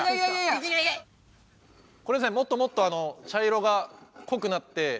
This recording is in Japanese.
これもっともっと茶色が濃くなって。